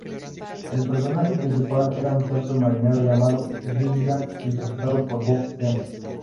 El personaje principal era un torpe marinero llamado Gilligan, interpretado por Bob Denver.